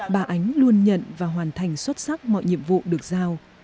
bà ánh luôn nhận và hoàn thành xuất sắc mọi nhiệm vụ được giao